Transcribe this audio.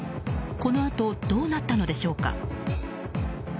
このあとどうなったのでしょうか。